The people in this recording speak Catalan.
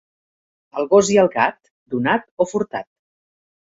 El gos i el gat, donat o furtat.